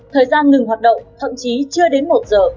thời gian ngừng hoạt động thậm chí chưa đến một giờ